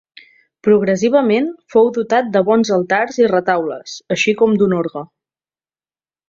Progressivament fou dotat de bons altars i retaules, així com d'un orgue.